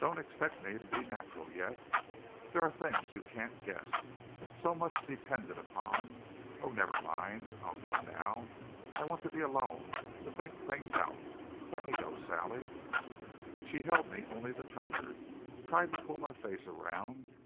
"Don't expect me to be natural yet. There are things you can't guess. So much depended upon Oh, never mind! I'll go now. I want to be alone, to think things out. Let me go, Sally." She held me only the tighter, tried to pull my face around.